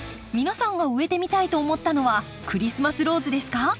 皆さんが植えてみたいと思ったのはクリスマスローズですか？